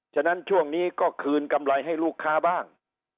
ฉะนั้นช่วงนี้ก็คืนกำไรให้ลูกค้าบ้าง